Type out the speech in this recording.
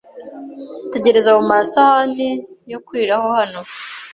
Tegereze ayo masahani yo kuriraho hano